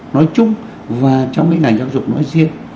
nói chung và trong cái ngành giáo dục nói riêng